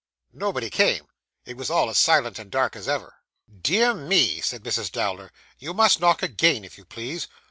Nobody came. It was all as silent and dark as ever. 'Dear me!' said Mrs. Dowler. 'You must knock again, if you please.